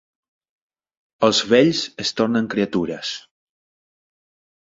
Els vells es tornen criatures.